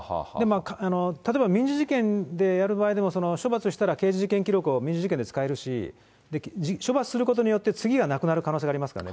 例えば、民事事件でやる場合でも、その処罰したら刑事事件記録を民事事件で使えるし、処罰することによって、次はなくなる可能性がありますからね。